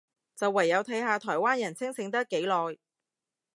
就唯有睇下台灣人清醒得幾耐